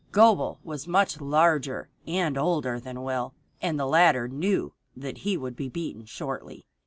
Gobel was much larger and older than Will, and the latter knew that he would be beaten shortly.